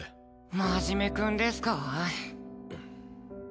真面目くんですか？